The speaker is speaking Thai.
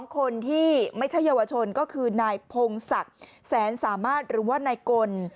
คนที่ไม่ใช่เยาวชนก็คือนายพงศักดิ์แสนสามารถหรือว่านายกล